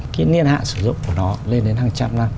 cái niên hạn sử dụng của nó lên đến hàng trăm năm